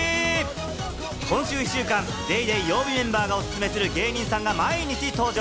今週１週間、『ＤａｙＤａｙ．』曜日メンバーがおすすめする芸人さんが毎日登場！